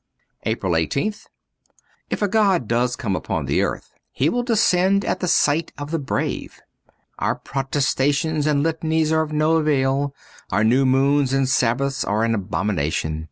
'' "7 APRIL 1 8th IF a god does come upon the earth, he will descend at the sight of the brave. Our prostrations and litanies are of no avail ; our nev7 moons and sabbaths are an abomination.